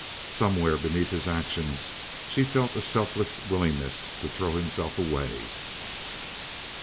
Somewhere beneath his actions she felt a selfless willingness to throw himself away.